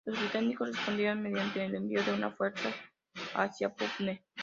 Los británicos respondieron mediante el envío de una fuerza hacia Pune.